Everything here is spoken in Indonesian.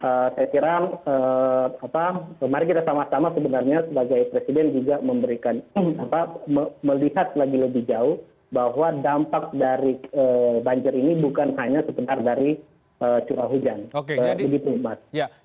jadi saya kiram mari kita sama sama sebenarnya sebagai presiden juga memberikan melihat lagi lebih jauh bahwa dampak dari banjir ini bukan hanya sebenarnya dari curah hujan